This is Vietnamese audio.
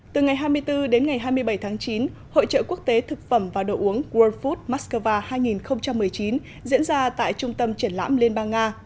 từ ngày hai mươi bốn đến ngày hai mươi bảy tháng chín hội trợ quốc tế thực phẩm và đồ uống world food moscow hai nghìn một mươi chín diễn ra tại trung tâm triển lãm liên bang nga